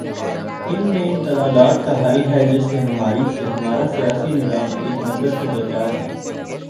اس میں ان تضادات کا حل ہے، جن سے ہمارا سیاسی نظام ایک مدت سے دوچار ہے۔